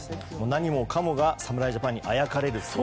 何もかもが侍ジャパンにあやかれるという。